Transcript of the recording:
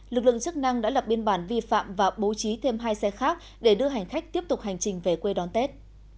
lực lượng chức năng đã lập biên bản vi phạm và bố trí thêm hai xe khác để đưa hành khách tiếp tục hành trình về quê đón tết